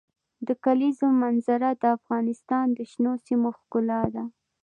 د کلیزو منظره د افغانستان د شنو سیمو ښکلا ده.